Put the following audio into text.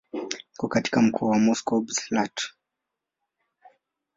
Iko katika mkoa wa Moscow Oblast.